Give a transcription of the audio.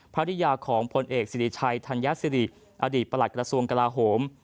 ภรรยาของพลเอกสิริชัยธัญสิริอดีตประหลัดกระทรวงกลาโหม